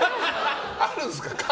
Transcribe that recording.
あるんですか？